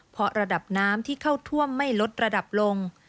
เพราะระดับน้ำที่เข้าท่วมไม่ลดระดับลง